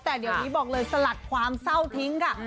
แต่เดี๋ยวนี้บอกเลยสลัดความเศร้าทิ้งค่ะ